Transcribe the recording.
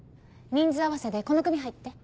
人数合わせでこの組入って。